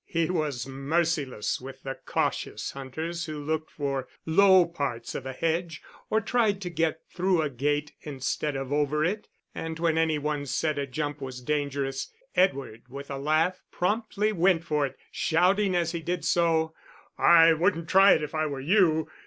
He was merciless with the cautious hunters who looked for low parts of a hedge or tried to get through a gate instead of over it; and when any one said a jump was dangerous, Edward with a laugh promptly went for it, shouting as he did so "I wouldn't try it if I were you.